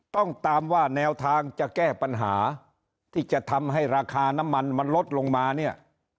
ต้องตามว่าแนวทางจะแก้ปัญหาที่จะทำให้ราคาน้ำมันมันลดลงมาเนี่ย